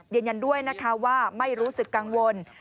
ยืนยันด้วยนะคะว่าไม่รู้สึกกังวล